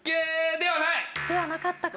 ではなかったか。